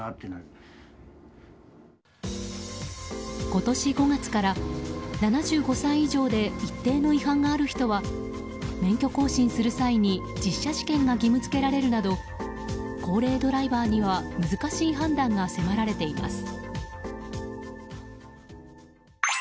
今年５月から、７５歳以上で一定の違反がある人は免許更新する際に実車試験が義務付けられるなど高齢ドライバーには難しい判断が迫られています。